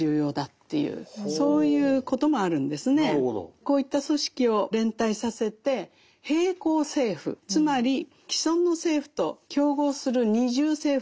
こういった組織を連帯させて並行政府つまり既存の政府と競合する二重政府のようなものですね